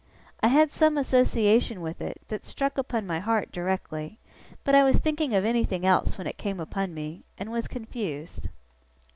I had some association with it, that struck upon my heart directly; but I was thinking of anything else when it came upon me, and was confused.